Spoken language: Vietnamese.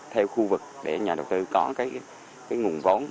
theo khu vực để nhà đầu tư có cái nguồn vốn